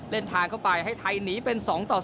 เล่นทางเข้าไปให้ไทยหนีเป็น๒ต่อ๐